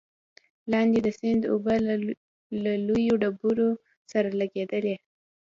لاندې د سيند اوبه له لويو ډبرو سره لګېدلې،